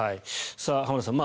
浜田さん